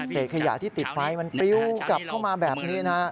ขยะที่ติดไฟมันปริ้วกลับเข้ามาแบบนี้นะ